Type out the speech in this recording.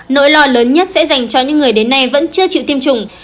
nỗi lo lớn nhất sẽ dành cho những người đến nay vẫn chưa chịu tiêm chủng